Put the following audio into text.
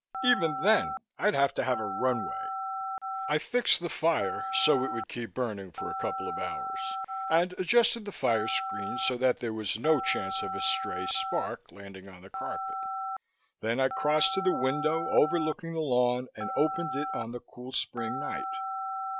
Even then, I'd have to have a run way." I fixed the fire so it would keep burning for a couple of hours and adjusted the fire screen so that there was no chance of a stray spark landing on the carpet. Then I crossed to the window overlooking the lawn and opened it on the cool spring night.